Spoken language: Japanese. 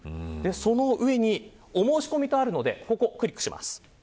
その上にお申し込みとあるのでここをクリックします。